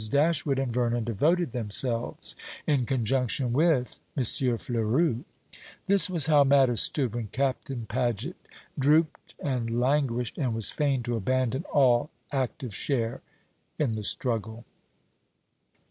Dashwood and Vernon devoted themselves, in conjunction with M. Fleurus. This was how matters stood when Captain Paget drooped and languished, and was fain to abandon all active share in the struggle.